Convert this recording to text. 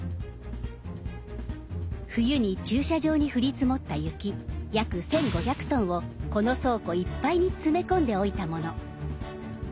冬に駐車場に降り積もった雪約１５００トンをこの倉庫いっぱいに詰め込んでおいたもの。